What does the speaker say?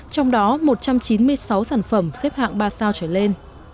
trong đó một trăm chín mươi sáu sản phẩm xếp hạng ba sao trở lên